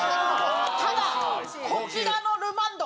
ただこちらのルマンド